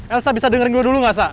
elsa bisa dengerin gue dulu gak sa